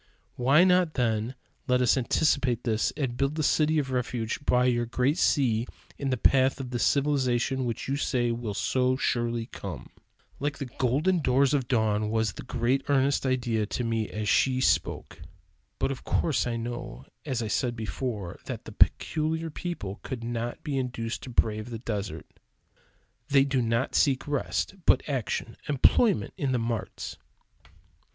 "Why not, then, let us anticipate this and build the city of refuge by your great sea in the path of this civilization which you say will so surely come?" Like the golden doors of dawn was the great earnest idea to me as she spoke. But of course I know, as I said before, that the "peculiar people" could not be induced to brave the desert. They do not seek rest, but action employment in the marts.